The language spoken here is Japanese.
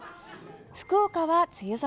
福岡は梅雨空。